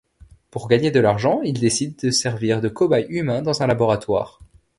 Pour gagner de l'argent, il décide de servir de cobaye humain dans un laboratoire.